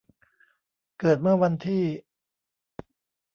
เกิดเมื่อวันที่